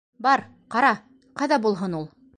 Бар, ҡара, ҡайҙа булһын ул?!